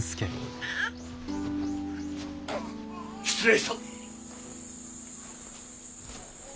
失礼した。